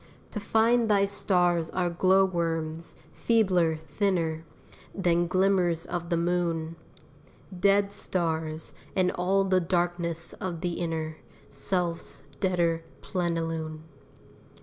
To find thy stars are glow worms, feebler, thinner Than glimmers of the moon: Dead stars, and all the darkness of the inner Self's deader plenilune.